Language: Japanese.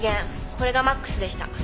これがマックスでした。